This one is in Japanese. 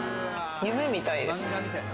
夢みたいです。